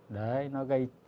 đấy nó gây